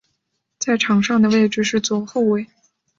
在场上的位置是左后卫。